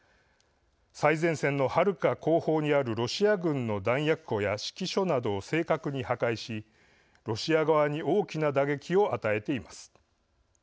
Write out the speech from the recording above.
最前線のはるか後方にあるロシア軍の弾薬庫や指揮所などを正確に破壊し、ロシア側に大きな打撃を与えています。